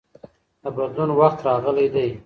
د بدلون وخت راغلی دی.